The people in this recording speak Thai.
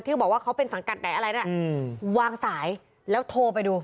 บอกว่าเขาเป็นสังกัดไหนอะไรนะวางสายแล้วโทรไปดู